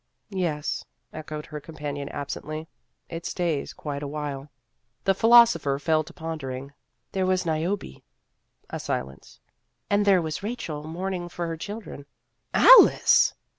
" Yes," echoed her companion absently, " it stays quite a while." The philosopher fell to pondering. "There was Niobe." A silence. "And there was Rachel mourning for her child ren." "Alice!"